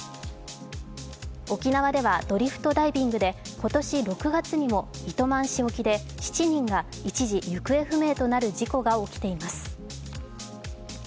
沖縄ではドリフトダイビングで今年６月にも糸満市沖で７人が一時、行方不明となる事故が起きています。